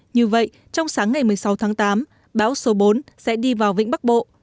như vậy trong sáng ngày một mươi sáu tháng tám bão số bốn sẽ đi vào vĩnh bắc bộ